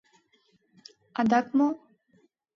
Адак мо?